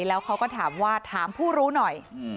แล้วเขาก็ถามว่าถามผู้รู้หน่อย